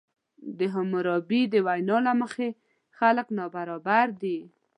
د حموربي د وینا له مخې خلک نابرابر دي.